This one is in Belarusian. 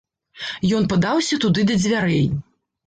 Ён падаўся туды да дзвярэй.